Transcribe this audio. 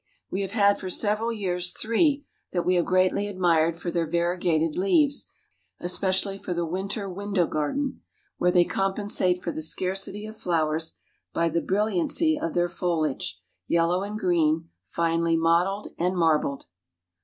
We have had for several years three that we have greatly admired for their variegated leaves, especially for the winter window garden, where they compensate for the scarcity of flowers, by the brilliancy of their foliage, yellow and green, finely mottled and marbled.